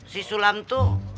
si sulam tuh